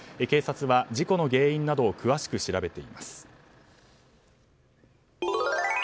警察は事故の原因などを詳しく調べています。